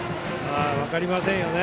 分かりませんよね